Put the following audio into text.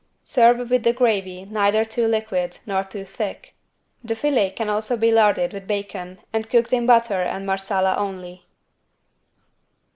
Serve with the gravy neither too liquid nor too thick. The filet can also be larded with bacon and cooked in butter and Marsala only.